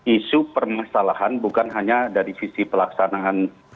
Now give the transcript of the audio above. isu permasalahan bukan hanya dari sisi pelaksanaan